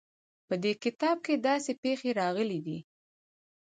په دې کتاب کې داسې پېښې راغلې دي.